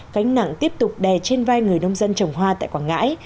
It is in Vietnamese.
cánh nặng tiếp tục đè trên vai người nông dân trồng hoa tại quảng ngãi